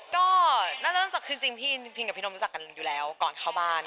ก็น่าจะรู้จักคือจริงพี่กับพี่นมรู้จักกันอยู่แล้วก่อนเข้าบ้าน